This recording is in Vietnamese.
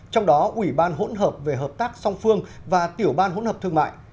trong đó ủy ban hỗn hợp về hợp tác song phương và tiểu ban hỗn hợp thương mại